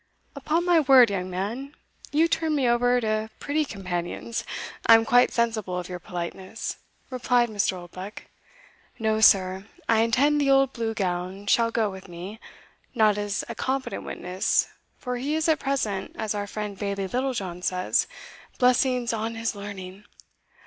"Upon my word, young man, you turn me over to pretty companions, and I am quite sensible of your politeness," replied Mr. Oldbuck. "No, sir, I intend the old Blue Gown shall go with me not as a competent witness, for he is, at present, as our friend Bailie Littlejohn says (blessings on his learning!)